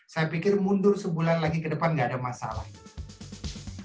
saya pikir mundur sebulan lagi ke depan nggak ada masalah